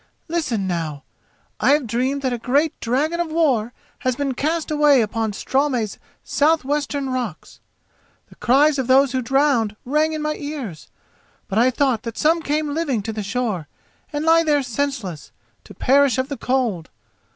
Listen now: I have dreamed that a great dragon of war has been cast away upon Straumey's south western rocks. The cries of those who drowned rang in my ears. But I thought that some came living to the shore, and lie there senseless, to perish of the cold.